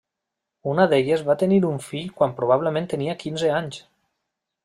Una d'elles va tenir un fill quan probablement tenia quinze anys.